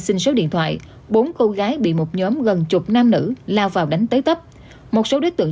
xin số điện thoại bốn cô gái bị một nhóm gần chục nam nữ lao vào đánh tới tấp một số đối tượng